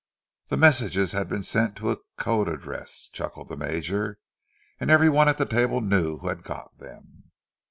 "The messages had been sent to a code address!" chuckled the Major. "And every one at the table knew who had got them!"